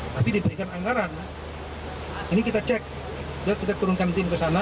tapi diberikan anggaran ini kita cek kita turunkan tim ke sana